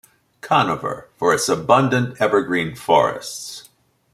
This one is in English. Conover for its abundant evergreen forests.